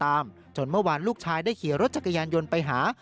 จนเมื่อวานลูกชายได้ขี่รถจักรยานยนต์ไปหา